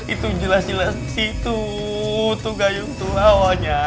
itu jelas jelas itu itu gayung tuh awalnya